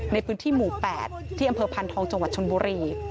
ในพื้นที่หมู่๘ที่อำเภอพันธองจังหวัดชนบุรี